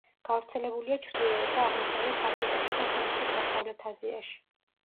გავრცელებულია ჩრდილოეთ და აღმოსავლეთ აფრიკასა და სამხრეთ-დასავლეთ აზიაში.